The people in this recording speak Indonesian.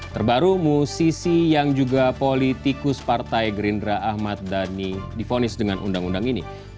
terbaru musisi yang juga politikus partai gerindra ahmad dhani difonis dengan undang undang ini